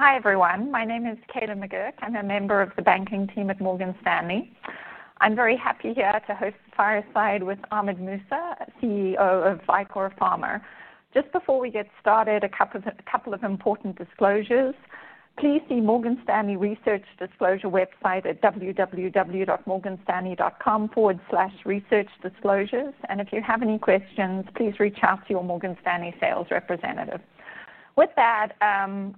Hi everyone. My name is Kayla McGuick. I'm a member of the banking team at Morgan Stanley. I'm very happy here to host the fireside with Ahmed Mousa, CEO of Vicore Pharma. Just before we get started, a couple of important disclosures. Please see Morgan Stanley Research Disclosure website at www.morganstanley.com/researchdisclosures. If you have any questions, please reach out to your Morgan Stanley sales representative. With that,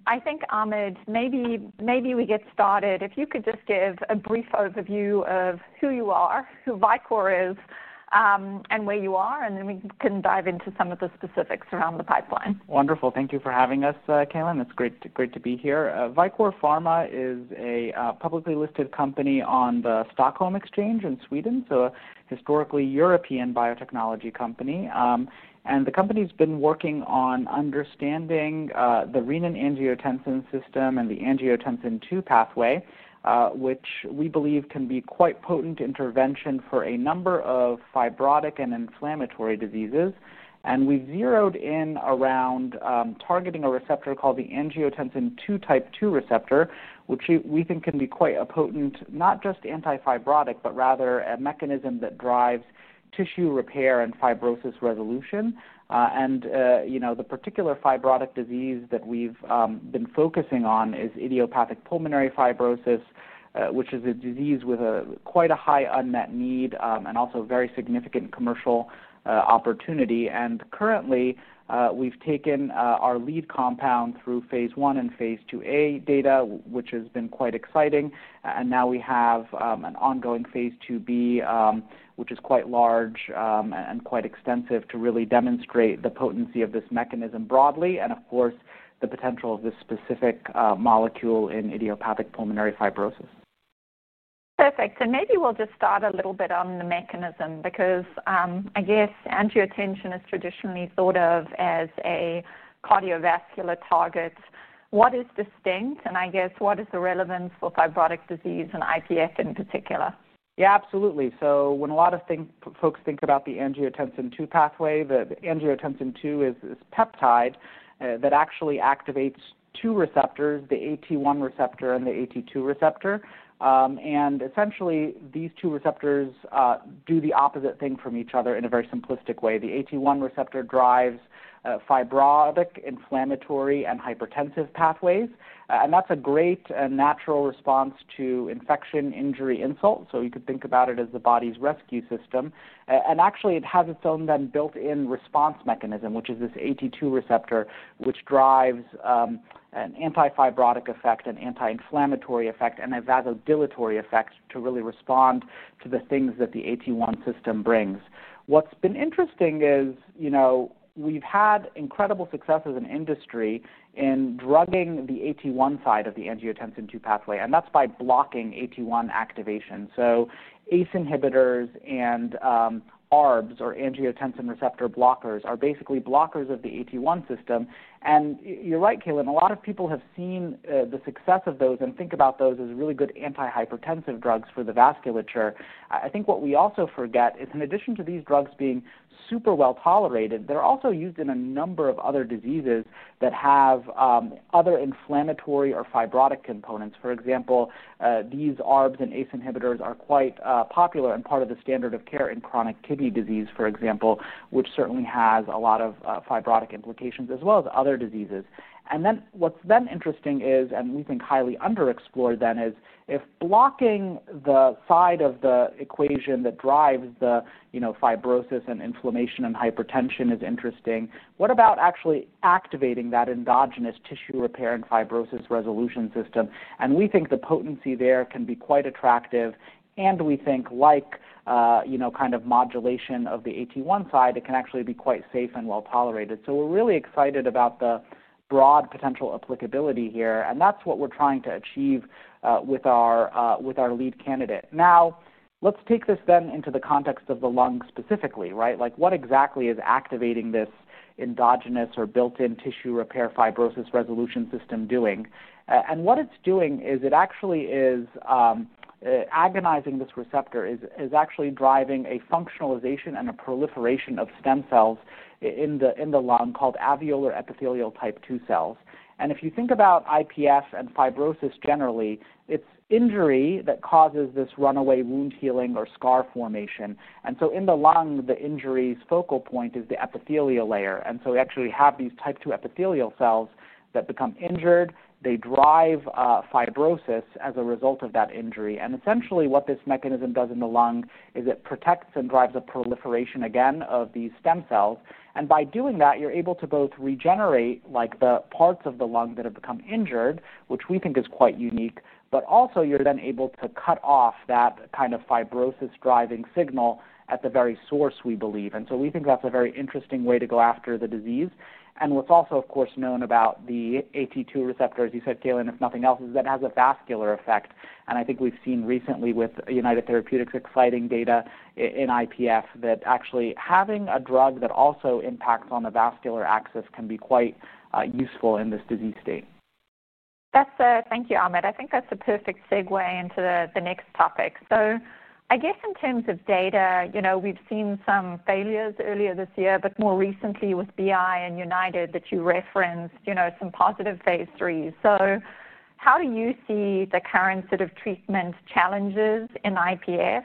I think Ahmed, maybe we get started. If you could just give a brief overview of who you are, who Vicore is, and where you are, then we can dive into some of the specifics around the pipeline. Wonderful. Thank you for having us, Kayla. It's great to be here. Vicore Pharma is a publicly listed company on the Stockholm Exchange in Sweden, so a historically European biotechnology company. The company's been working on understanding the renin-angiotensin system and the angiotensin II pathway, which we believe can be quite a potent intervention for a number of fibrotic and inflammatory diseases. We've zeroed in around targeting a receptor called the angiotensin II type 2 (AT2) receptor, which we think can be quite a potent, not just anti-fibrotic, but rather a mechanism that drives tissue repair and fibrosis resolution. The particular fibrotic disease that we've been focusing on is idiopathic pulmonary fibrosis, which is a disease with quite a high unmet need and also a very significant commercial opportunity. Currently, we've taken our lead compound through phase I and phase IIA data, which has been quite exciting. Now we have an ongoing phase IIB, which is quite large and quite extensive to really demonstrate the potency of this mechanism broadly and, of course, the potential of this specific molecule in idiopathic pulmonary fibrosis. Perfect. Maybe we'll just start a little bit on the mechanism because, I guess angiotensin is traditionally thought of as a cardiovascular target. What is distinct, and I guess what is the relevance for fibrotic disease and IPF in particular? Yeah, absolutely. When a lot of folks think about the angiotensin II pathway, the angiotensin II is this peptide that actually activates two receptors, the AT1 receptor and the AT2 receptor. Essentially, these two receptors do the opposite thing from each other in a very simplistic way. The AT1 receptor drives fibrotic, inflammatory, and hypertensive pathways. That's a great natural response to infection, injury, insult. You could think about it as the body's rescue system. It has its own then built-in response mechanism, which is this AT2 receptor, which drives an anti-fibrotic effect, an anti-inflammatory effect, and a vasodilatory effect to really respond to the things that the AT1 system brings. What's been interesting is we've had incredible success as an industry in drugging the AT1 side of the angiotensin II pathway, and that's by blocking AT1 activation. ACE inhibitors and ARBs, or angiotensin receptor blockers, are basically blockers of the AT1 system. You're right, Kayla, and a lot of people have seen the success of those and think about those as really good anti-hypertensive drugs for the vasculature. I think what we also forget is, in addition to these drugs being super well tolerated, they're also used in a number of other diseases that have other inflammatory or fibrotic components. For example, these ARBs and ACE inhibitors are quite popular and part of the standard of care in chronic kidney disease, for example, which certainly has a lot of fibrotic implications as well as other diseases. What's then interesting is, and we think highly under-explored then, if blocking the side of the equation that drives the fibrosis and inflammation and hypertension is interesting, what about actually activating that endogenous tissue repair and fibrosis resolution system? We think the potency there can be quite attractive. We think, like, kind of modulation of the AT1 side, it can actually be quite safe and well tolerated. We're really excited about the broad potential applicability here. That's what we're trying to achieve with our lead candidate. Now, let's take this then into the context of the lung specifically, right? What exactly is activating this endogenous or built-in tissue repair fibrosis resolution system doing? What it's doing is it actually is agonizing this receptor, actually driving a functionalization and a proliferation of stem cells in the lung called alveolar epithelial type II cells. If you think about IPF and fibrosis generally, it's injury that causes this runaway wound healing or scar formation. In the lung, the injury's focal point is the epithelial layer. We actually have these type II epithelial cells that become injured. They drive fibrosis as a result of that injury. Essentially, what this mechanism does in the lung is it protects and drives a proliferation, again, of these stem cells. By doing that, you're able to both regenerate the parts of the lung that have become injured, which we think is quite unique, but also you're then able to cut off that kind of fibrosis-driving signal at the very source, we believe. We think that's a very interesting way to go after the disease. What's also, of course, known about the AT2 receptor, as you said, Kayla, if nothing else, is that it has a vascular effect. I think we've seen recently with United Therapeutics' exciting data in IPF that actually having a drug that also impacts on the vascular access can be quite useful in this disease state. Thank you, Ahmed. I think that's a perfect segue into the next topic. In terms of data, we've seen some failures earlier this year, but more recently with BI and United that you referenced, some positive phase threes. How do you see the current sort of treatment challenges in IPF?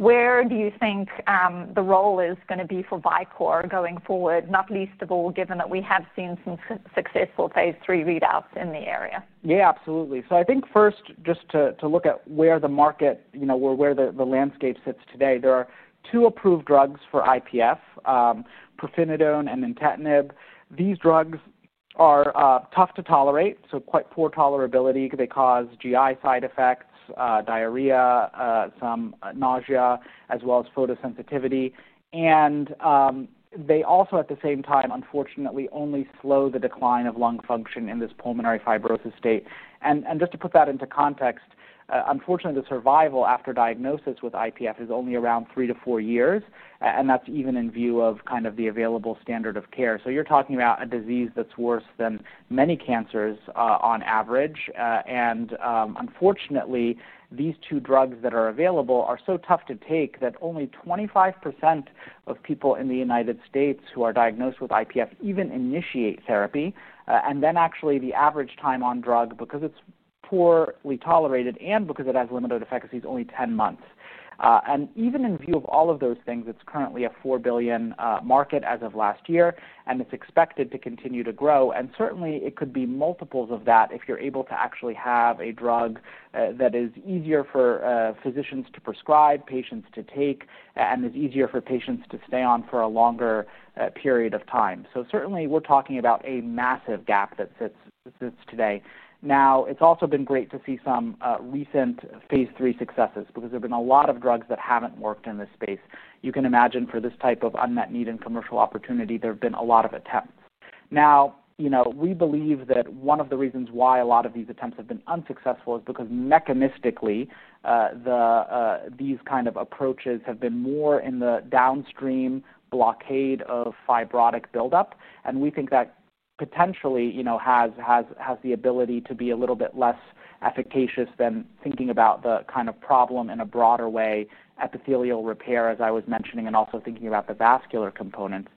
Where do you think the role is going to be for Vicore going forward, not least of all, given that we have seen some successful phase three readouts in the area? Yeah, absolutely. I think first, just to look at where the market, you know, where the landscape sits today, there are two approved drugs for IPF, pirfenidone and nintedanib. These drugs are tough to tolerate, so quite poor tolerability. They cause GI side effects, diarrhea, some nausea, as well as photosensitivity. They also, at the same time, unfortunately, only slow the decline of lung function in this pulmonary fibrosis state. Just to put that into context, unfortunately, the survival after diagnosis with IPF is only around three to four years. That's even in view of kind of the available standard of care. You're talking about a disease that's worse than many cancers on average. Unfortunately, these two drugs that are available are so tough to take that only 25% of people in the United States who are diagnosed with IPF even initiate therapy. The average time on drug, because it's poorly tolerated and because it has limited efficacy, is only 10 months. Even in view of all of those things, it's currently a $4 billion market as of last year, and it's expected to continue to grow. It could be multiples of that if you're able to actually have a drug that is easier for physicians to prescribe, patients to take, and is easier for patients to stay on for a longer period of time. Certainly, we're talking about a massive gap that sits today. It's also been great to see some recent phase III successes because there have been a lot of drugs that haven't worked in this space. You can imagine for this type of unmet need and commercial opportunity, there have been a lot of attempts. We believe that one of the reasons why a lot of these attempts have been unsuccessful is because mechanistically, these kind of approaches have been more in the downstream blockade of fibrotic buildup. We think that potentially, you know, has the ability to be a little bit less efficacious than thinking about the kind of problem in a broader way, epithelial repair, as I was mentioning, and also thinking about the vascular components.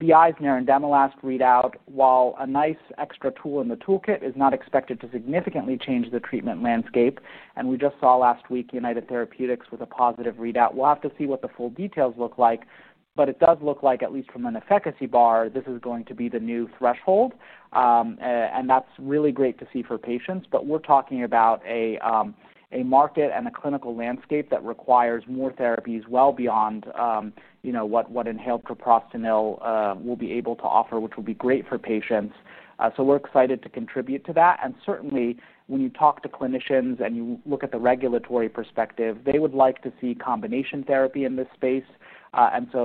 BI's near and Demilasque readout, while a nice extra tool in the toolkit, is not expected to significantly change the treatment landscape. We just saw last week United Therapeutics with a positive readout. We'll have to see what the full details look like, but it does look like, at least from an efficacy bar, this is going to be the new threshold. That's really great to see for patients. We're talking about a market and a clinical landscape that requires more therapies well beyond what inhaled propranolol will be able to offer, which will be great for patients. We're excited to contribute to that. Certainly, when you talk to clinicians and you look at the regulatory perspective, they would like to see combination therapy in this space.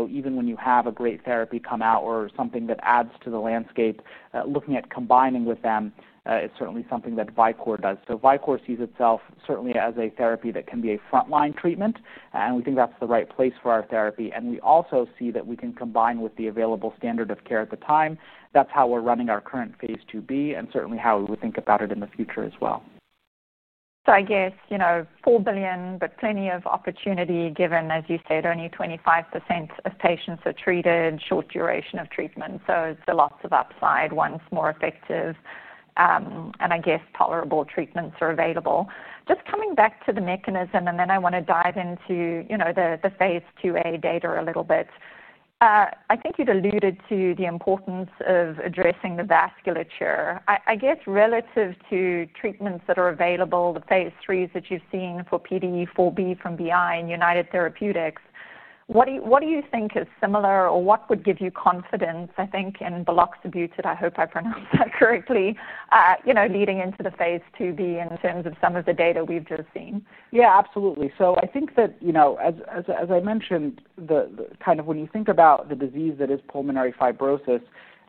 Even when you have a great therapy come out or something that adds to the landscape, looking at combining with them is certainly something that Vicore does. Vicore sees itself as a therapy that can be a frontline treatment, and we think that's the right place for our therapy. We also see that we can combine with the available standard of care at the time. That's how we're running our current phase IIB and certainly how we would think about it in the future as well. I guess, you know, $4 billion, but plenty of opportunity given, as you said, only 25% of patients are treated, short duration of treatment. The loss of upside once more effective, and I guess tolerable treatments are available. Just coming back to the mechanism, and then I want to dive into, you know, the phase IIA data a little bit. I think you'd alluded to the importance of addressing the vasculature. I guess relative to treatments that are available, the phase IIIs that you've seen for PDE4B from BI and United Therapeutics, what do you think is similar or what would give you confidence, I think, in buloxibutid, I hope I pronounced that correctly, you know, leading into the phase IIB in terms of some of the data we've just seen? Yeah, absolutely. I think that, as I mentioned, when you think about the disease that is idiopathic pulmonary fibrosis,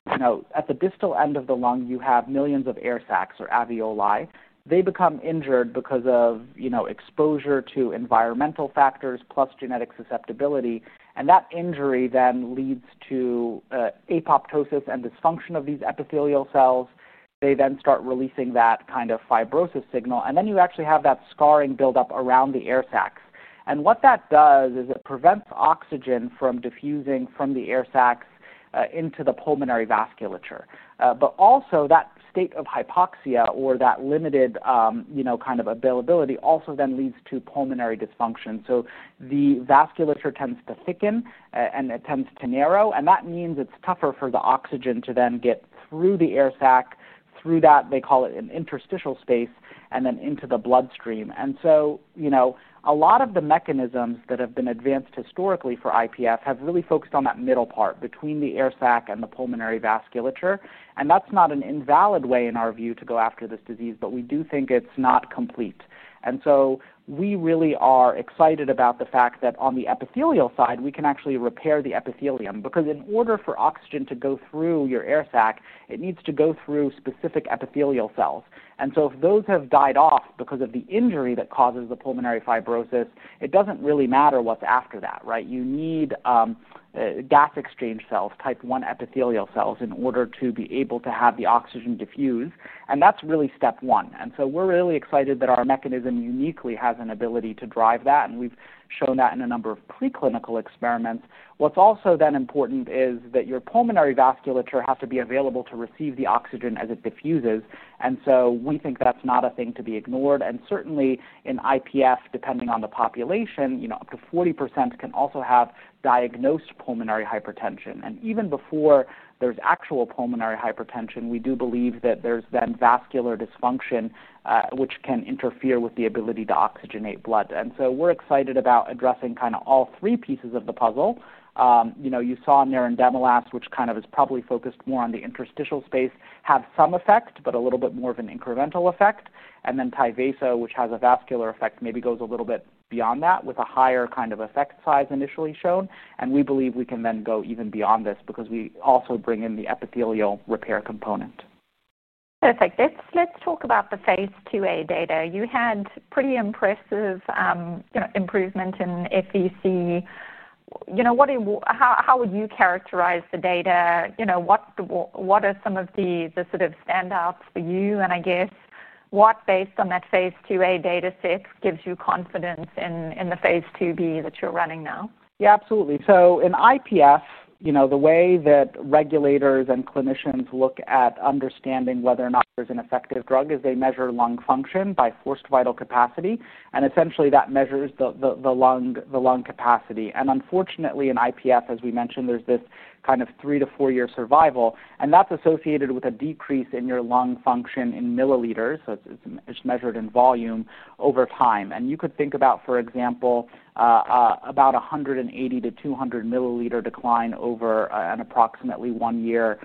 at the distal end of the lung, you have millions of air sacs or alveoli. They become injured because of exposure to environmental factors plus genetic susceptibility. That injury then leads to apoptosis and dysfunction of these epithelial cells. They then start releasing that kind of fibrosis signal. You actually have that scarring buildup around the air sacs. What that does is it prevents oxygen from diffusing from the air sacs into the pulmonary vasculature. Also, that state of hypoxia or that limited availability then leads to pulmonary dysfunction. The vasculature tends to thicken and it tends to narrow. That means it's tougher for the oxygen to get through the air sac, through what they call an interstitial space, and then into the bloodstream. A lot of the mechanisms that have been advanced historically for IPF have really focused on that middle part between the air sac and the pulmonary vasculature. That's not an invalid way in our view to go after this disease, but we do think it's not complete. We really are excited about the fact that on the epithelial side, we can actually repair the epithelium because in order for oxygen to go through your air sac, it needs to go through specific epithelial cells. If those have died off because of the injury that causes the pulmonary fibrosis, it doesn't really matter what's after that, right? You need gas exchange cells, type I epithelial cells, in order to be able to have the oxygen diffuse. That's really step one. We're really excited that our mechanism uniquely has an ability to drive that. We've shown that in a number of preclinical experiments. What's also important is that your pulmonary vasculature has to be available to receive the oxygen as it diffuses. We think that's not a thing to be ignored. Certainly in IPF, depending on the population, up to 40% can also have diagnosed pulmonary hypertension. Even before there's actual pulmonary hypertension, we do believe that there's vascular dysfunction, which can interfere with the ability to oxygenate blood. We're excited about addressing all three pieces of the puzzle. You saw nintedanib and pirfenidone, which are probably focused more on the interstitial space, have some effect, but a little bit more of an incremental effect. Tyvaso, which has a vascular effect, maybe goes a little bit beyond that with a higher effect size initially shown. We believe we can then go even beyond this because we also bring in the epithelial repair component. Perfect. Let's talk about the phase IIA data. You had pretty impressive improvement in FVC. How would you characterize the data? What are some of the sort of standouts for you? Based on that phase IIA data set, what gives you confidence in the phase IIB that you're running now? Absolutely. In idiopathic pulmonary fibrosis, you know, the way that regulators and clinicians look at understanding whether or not there's an effective drug is they measure lung function by forced vital capacity. Essentially, that measures the lung capacity. Unfortunately, in idiopathic pulmonary fibrosis, as we mentioned, there's this kind of three to four-year survival, and that's associated with a decrease in your lung function in milliliters. It's measured in volume over time. You could think about, for example, about 180 to 200 milliliter decline over an approximately one-year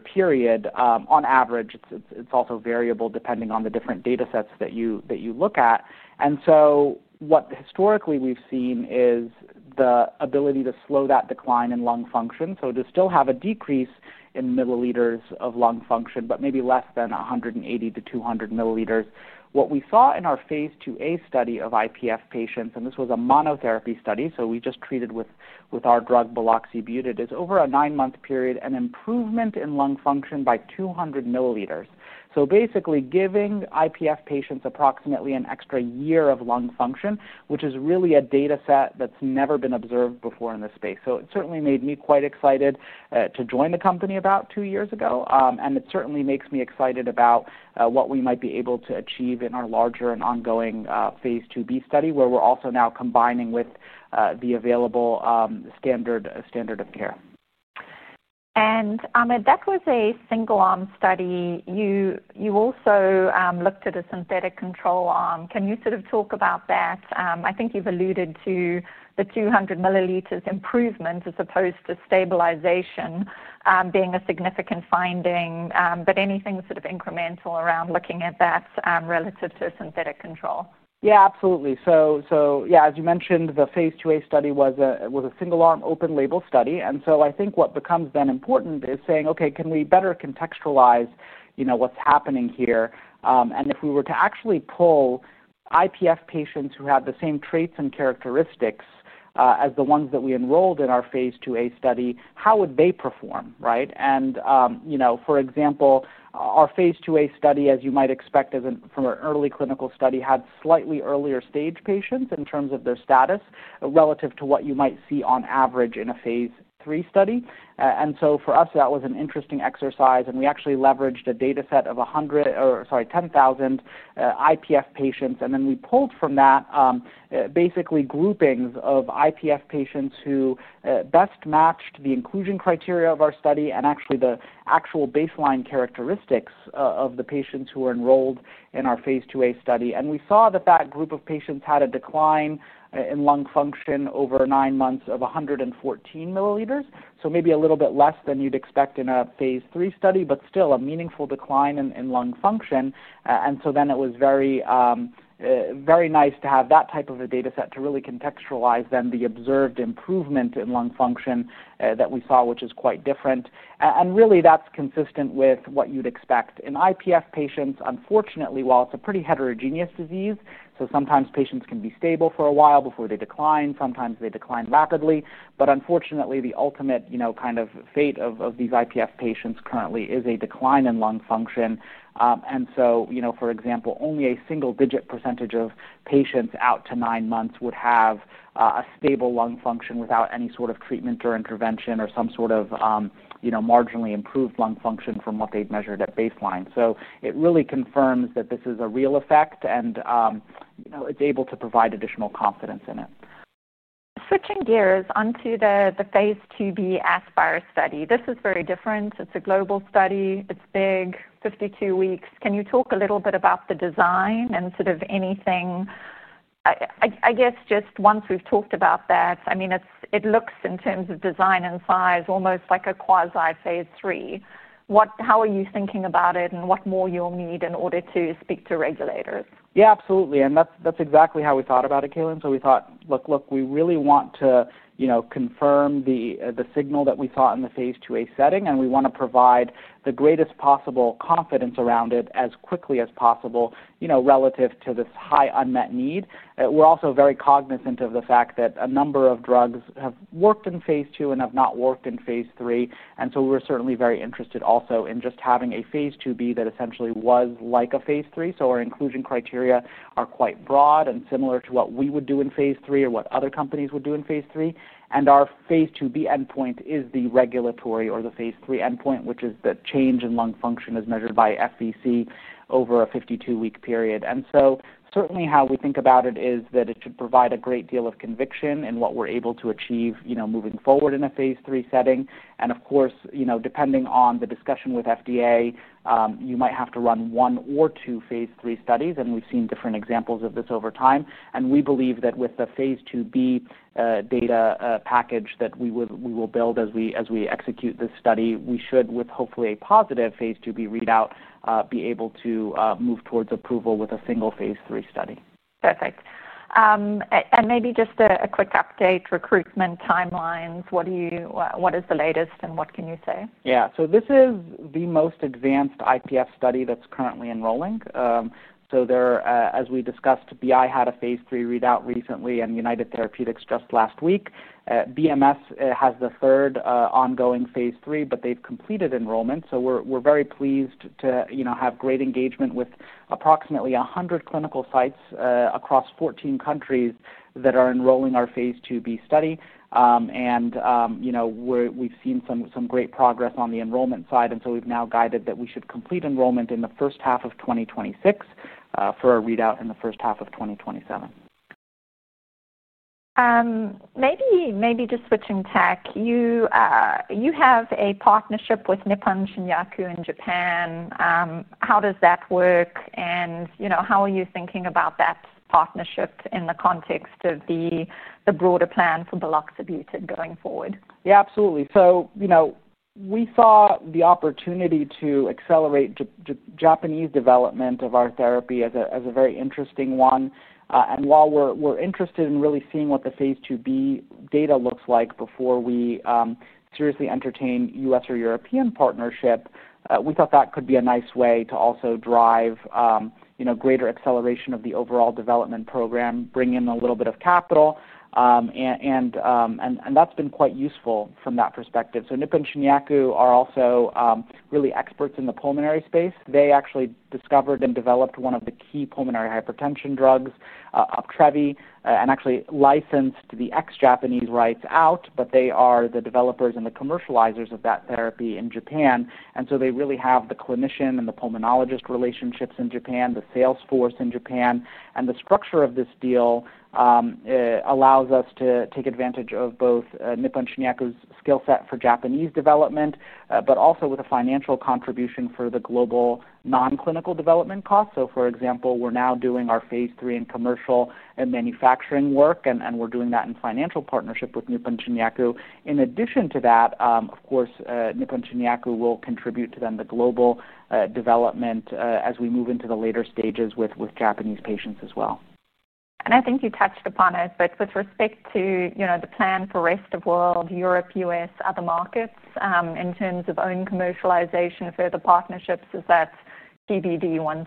period on average. It's also variable depending on the different data sets that you look at. Historically, we've seen the ability to slow that decline in lung function, to still have a decrease in milliliters of lung function, but maybe less than 180 to 200 milliliters. What we saw in our phase IIA study of idiopathic pulmonary fibrosis patients, and this was a monotherapy study, so we just treated with our drug buloxibutid, is over a nine-month period, an improvement in lung function by 200 milliliters. Basically giving idiopathic pulmonary fibrosis patients approximately an extra year of lung function, which is really a data set that's never been observed before in this space. It certainly made me quite excited to join the company about two years ago. It certainly makes me excited about what we might be able to achieve in our larger and ongoing phase IIB study where we're also now combining with the available standard of care. Ahmed, that was a single-arm study. You also looked at a synthetic control arm. Can you sort of talk about that? I think you've alluded to the 200 milliliters improvement as opposed to stabilization being a significant finding. Is there anything incremental around looking at that relative to a synthetic control? Absolutely. As you mentioned, the phase IIA study was a single-arm open label study. I think what becomes then important is saying, okay, can we better contextualize what's happening here? If we were to actually pull IPF patients who had the same traits and characteristics as the ones that we enrolled in our phase IIA study, how would they perform, right? For example, our phase IIA study, as you might expect from an early clinical study, had slightly earlier stage patients in terms of their status relative to what you might see on average in a phase III study. For us, that was an interesting exercise. We actually leveraged a data set of 10,000 IPF patients. We pulled from that basically groupings of IPF patients who best matched the inclusion criteria of our study and actually the actual baseline characteristics of the patients who were enrolled in our phase IIA study. We saw that that group of patients had a decline in lung function over nine months of 114 milliliters. Maybe a little bit less than you'd expect in a phase III study, but still a meaningful decline in lung function. It was very nice to have that type of a data set to really contextualize then the observed improvement in lung function that we saw, which is quite different. That's consistent with what you'd expect. In IPF patients, unfortunately, while it's a pretty heterogeneous disease, sometimes patients can be stable for a while before they decline. Sometimes they decline rapidly. Unfortunately, the ultimate kind of fate of these IPF patients currently is a decline in lung function. For example, only a single-digit % of patients out to nine months would have a stable lung function without any sort of treatment or intervention or some sort of marginally improved lung function from what they'd measured at baseline. It really confirms that this is a real effect. It's able to provide additional confidence in it. Switching gears onto the phase IIB ASPIRE trial. This is very different. It's a global study. It's big, 52 weeks. Can you talk a little bit about the design and anything? I guess once we've talked about that, it looks in terms of design and size almost like a quasi phase III. How are you thinking about it and what more you'll need in order to speak to regulators? Absolutely. That's exactly how we thought about it, Kayla. We thought, look, we really want to confirm the signal that we saw in the phase IIA setting. We want to provide the greatest possible confidence around it as quickly as possible, relative to this high unmet need. We're also very cognizant of the fact that a number of drugs have worked in phase II and have not worked in phase III. We're certainly very interested also in just having a phase IIB that essentially was like a phase III. Our inclusion criteria are quite broad and similar to what we would do in phase III or what other companies would do in phase III. Our phase IIB endpoint is the regulatory or the phase III endpoint, which is the change in lung function as measured by FVC over a 52-week period. Certainly, how we think about it is that it should provide a great deal of conviction in what we're able to achieve moving forward in a phase III setting. Of course, depending on the discussion with FDA, you might have to run one or two phase III studies. We've seen different examples of this over time. We believe that with the phase IIB data package that we will build as we execute this study, we should, with hopefully a positive phase IIB readout, be able to move towards approval with a single phase III study. Perfect. Maybe just a quick update, recruitment timelines. What is the latest and what can you say? Yeah, this is the most advanced IPF study that's currently enrolling. As we discussed, BI had a phase III readout recently and United Therapeutics just last week. BMS has the third ongoing phase III, but they've completed enrollment. We're very pleased to have great engagement with approximately 100 clinical sites across 14 countries that are enrolling our phase IIB study. We've seen some great progress on the enrollment side. We've now guided that we should complete enrollment in the first half of 2026 for a readout in the first half of 2027. Maybe just switching tech. You have a partnership with Nippon Shinyaku in Japan. How does that work? How are you thinking about that partnership in the context of the broader plan for buloxibutid going forward? Yeah, absolutely. We saw the opportunity to accelerate Japanese development of our therapy as a very interesting one. While we're interested in really seeing what the phase IIB data looks like before we seriously entertain U.S. or European partnership, we thought that could be a nice way to also drive greater acceleration of the overall development program and bring in a little bit of capital. That's been quite useful from that perspective. Nippon Shinyaku are also really experts in the pulmonary space. They actually discovered and developed one of the key pulmonary hypertension drugs, Optrevi, and actually licensed the ex-Japanese rights out. They are the developers and the commercializers of that therapy in Japan, so they really have the clinician and the pulmonologist relationships in Japan, the sales force in Japan. The structure of this deal allows us to take advantage of both Nippon Shinyaku's skill set for Japanese development, but also with a financial contribution for the global non-clinical development costs. For example, we're now doing our phase III in commercial and manufacturing work, and we're doing that in financial partnership with Nippon Shinyaku. In addition to that, of course, Nippon Shinyaku will contribute to the global development as we move into the later stages with Japanese patients as well. I think you touched upon it, but with respect to the plan for the rest of the world, Europe, U.S., other markets in terms of own commercialization, further partnerships, is that TBD once?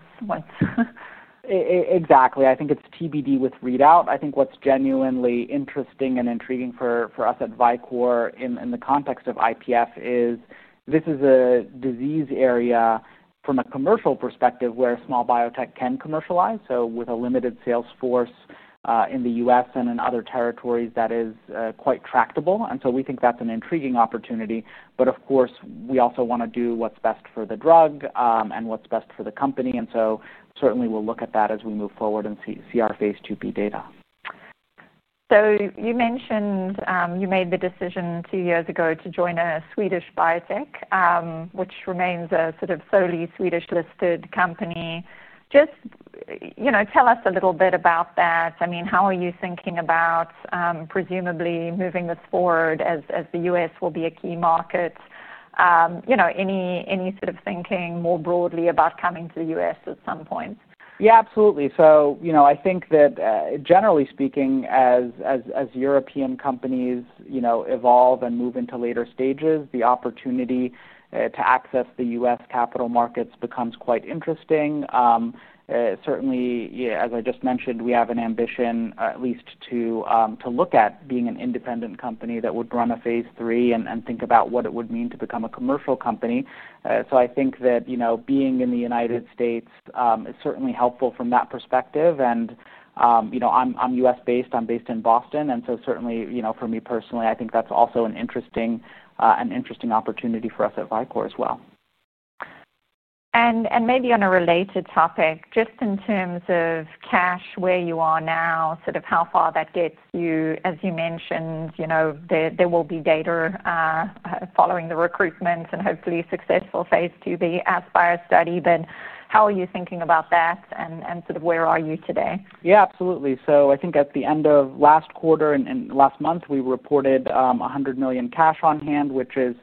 Exactly. I think it's TBD with readout. I think what's genuinely interesting and intriguing for us at Vicore Pharma in the context of IPF is this is a disease area from a commercial perspective where small biotech can commercialize. With a limited sales force in the U.S. and in other territories, that is quite tractable. We think that's an intriguing opportunity. Of course, we also want to do what's best for the drug and what's best for the company. Certainly we'll look at that as we move forward and see our phase IIB data. You mentioned you made the decision two years ago to join a Swedish biotech, which remains a sort of solely Swedish-listed company. Just tell us a little bit about that. I mean, how are you thinking about presumably moving this forward as the U.S. will be a key market? Any sort of thinking more broadly about coming to the U.S. at some point? Absolutely. I think that generally speaking, as European companies evolve and move into later stages, the opportunity to access the U.S. capital markets becomes quite interesting. Certainly, as I just mentioned, we have an ambition at least to look at being an independent company that would run a phase III and think about what it would mean to become a commercial company. I think that being in the United States is certainly helpful from that perspective. I'm U.S.-based. I'm based in Boston. Certainly, for me personally, I think that's also an interesting opportunity for us at Vicore as well. On a related topic, just in terms of cash, where you are now, sort of how far that gets you, as you mentioned, there will be data following the recruitment and hopefully a successful phase IIB ASPIRE study. How are you thinking about that and sort of where are you today? Absolutely. I think at the end of last quarter and last month, we reported $100 million cash on hand, which is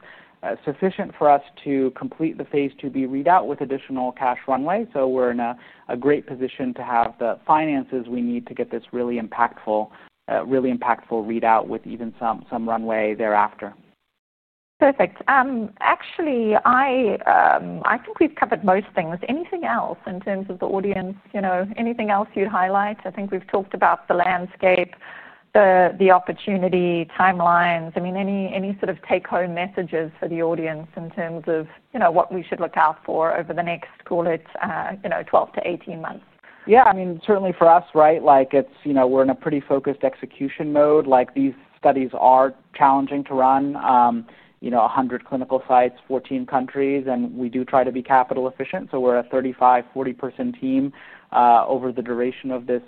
sufficient for us to complete the phase IIB readout with additional cash runway. We're in a great position to have the finances we need to get this really impactful readout with even some runway thereafter. Perfect. Actually, I think we've covered most things. Anything else in terms of the audience? Anything else you'd highlight? I think we've talked about the landscape, the opportunity, timelines. Any sort of take-home messages for the audience in terms of what we should look out for over the next, call it, 12 to 18 months? Yeah, I mean, certainly for us, right? It's, you know, we're in a pretty focused execution mode. These studies are challenging to run. 100 clinical sites, 14 countries. We do try to be capital efficient. We're a 35-40 person team over the duration of this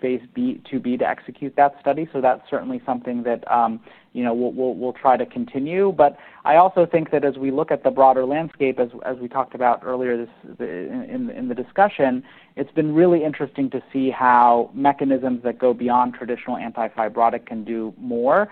phase IIB to execute that study. That's certainly something that we'll try to continue. I also think that as we look at the broader landscape, as we talked about earlier in the discussion, it's been really interesting to see how mechanisms that go beyond traditional anti-fibrotic can do more.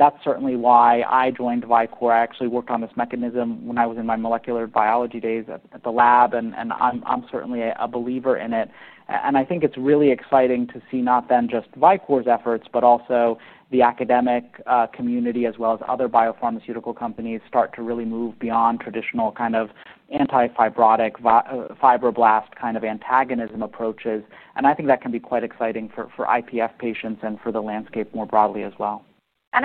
That's certainly why I joined Vicore Pharma. I actually worked on this mechanism when I was in my molecular biology days at the lab. I'm certainly a believer in it. I think it's really exciting to see not just Vicore Pharma's efforts, but also the academic community as well as other biopharmaceutical companies start to really move beyond traditional anti-fibrotic, fibroblast antagonism approaches. I think that can be quite exciting for IPF patients and for the landscape more broadly as well. If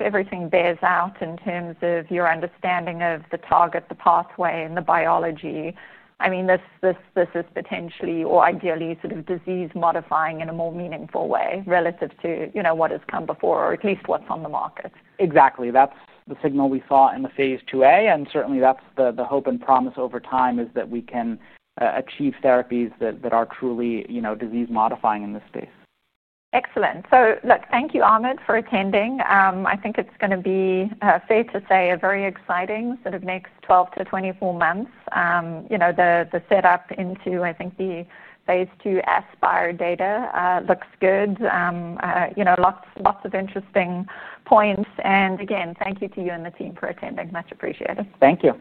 everything bears out in terms of your understanding of the target, the pathway, and the biology, this is potentially or ideally sort of disease modifying in a more meaningful way relative to what has come before or at least what's on the market. Exactly. That's the signal we saw in the phase IIA. Certainly, that's the hope and promise over time that we can achieve therapies that are truly, you know, disease modifying in this space. Excellent. Thank you, Ahmed, for attending. I think it's going to be fair to say a very exciting sort of next 12 to 24 months. The setup into, I think, the phase IIB ASPIRE data looks good. Lots of interesting points. Again, thank you to you and the team for attending. Much appreciated. Thank you.